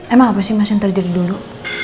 emang apa sih mas yang terjadi dulu